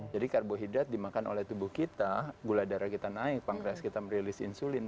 jadi karbohidrat dimakan oleh tubuh kita gula darah kita naik pankreas kita merilis insulin